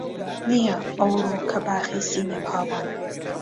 نییە ئەوڕۆکە باخی سینە پاوان